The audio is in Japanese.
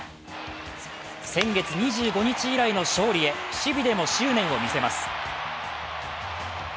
先月２５日以来の勝利へ守備でも執念を見せます。